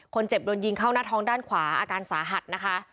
โดนยิงเข้าหน้าท้องด้านขวาอาการสาหัสนะคะ